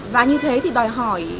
và như thế thì đòi hỏi